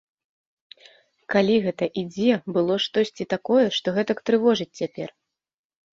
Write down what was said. Калі гэта і дзе было штосьці такое, што гэтак трывожыць цяпер?